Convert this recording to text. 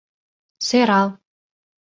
Сӧрал!